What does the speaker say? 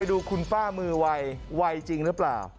ดูคุณป้ามือวัยวัยจริงหรือเปล่า